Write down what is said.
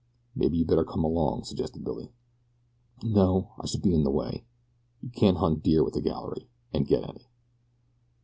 "Maybe you'd better come along," suggested Billy. "No, I should be in the way you can't hunt deer with a gallery, and get any."